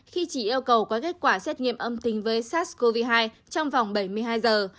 khi chỉ yêu cầu có kết quả xét nghiệm âm tính với sars cov hai trong vòng bảy mươi hai giờ